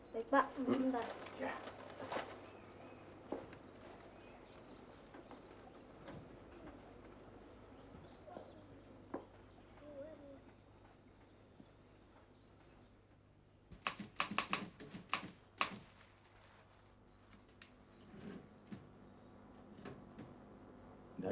baik pak sebentar